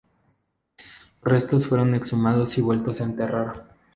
Los restos fueron exhumados y vueltos a enterrar.